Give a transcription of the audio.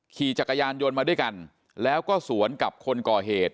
ขี่จักรยานยนต์มาด้วยกันแล้วก็สวนกับคนก่อเหตุ